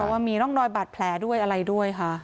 ว่ามีร่องรอยบาดแผลด้วยอะไรด้วยค่ะ